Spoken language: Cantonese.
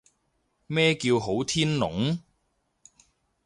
咩叫好天龍？